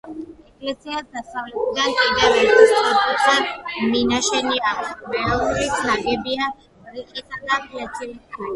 ეკლესიას დასავლეთიდან კიდევ ერთი სწორკუთხა მინაშენი აქვს, რომელიც ნაგებია რიყისა და ფლეთილი ქვით.